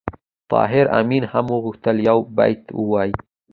طاهر آمین هم غوښتل یو بیت ووایي